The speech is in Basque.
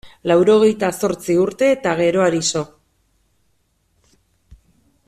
Laurogehita zortzi urte eta geroari so.